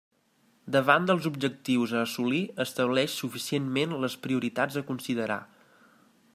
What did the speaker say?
Davant dels objectius a assolir, estableix suficientment les prioritats a considerar.